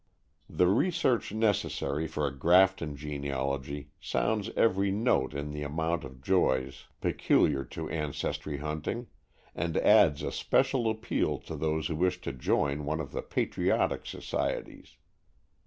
The research necessary for a "Grafton" genealogy sounds every note in the gamut of joys peculiar to ancestry hunting, and adds a special appeal to those who wish to join one of the patriotic societies.